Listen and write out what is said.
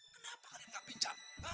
kenapa kalian gak pinjam